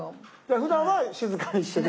ふだんは静かにしてる？